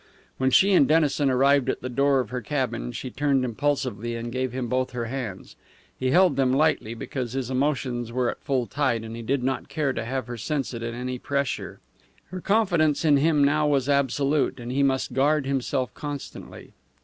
When she and Dennison arrived at the door of her cabin she turned impulsively and gave him both her hands. He held them lightly, because his emotions were at full tide, and he did not care to have her sense it in any pressure. Her confidence in him now was absolute, and he must guard himself constantly.